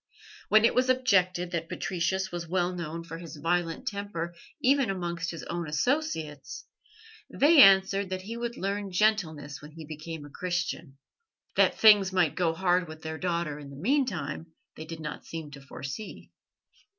When it was objected that Patricius was well known for his violent temper even amongst his own associates, they answered that he would learn gentleness when he became a Christian. That things might go hard with their daughter in the meantime they did not seem to foresee.